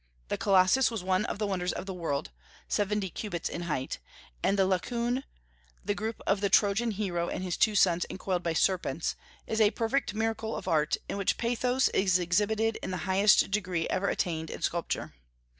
The Colossus was one of the wonders of the world (seventy cubits in height); and the Laocoön (the group of the Trojan hero and his two sons encoiled by serpents) is a perfect miracle of art, in which pathos is exhibited in the highest degree ever attained in sculpture.